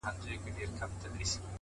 هڅه کوونکی انسان لاره پیدا کوي؛